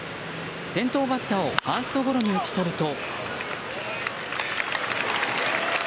先頭バッターをファーストゴロに打ち取ると。